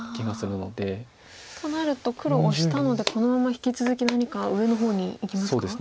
となると黒オシたのでこのまま引き続き何か上の方にいきますか？